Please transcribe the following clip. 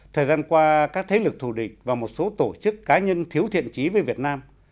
thời gian qua các thế lực thù địch và một số tổ chức cá nhân thiếu thiện trí với việt nam